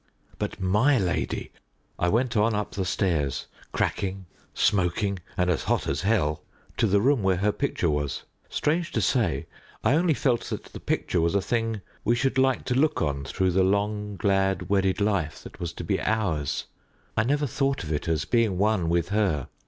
But my lady? I went on up the stairs, cracking, smoking, and as hot as hell, to the room where her picture was. Strange to say, I only felt that the picture was a thing we should like to look on through the long glad wedded life that was to be ours. I never thought of it as being one with her.